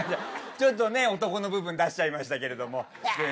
ちょっとね男の部分出しちゃいましたけれども。